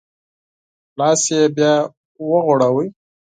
لاس یې بیا وغوړوی.